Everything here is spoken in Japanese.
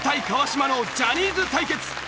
川島のジャニーズ対決！